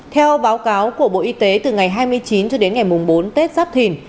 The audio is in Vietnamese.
theo báo cáo của bộ y tế từ ngày hai mươi chín cho đến ngày bốn tết giáp thìn